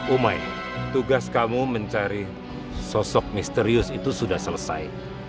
umai tugas kamu mencari sosok misterius itu sudah selesai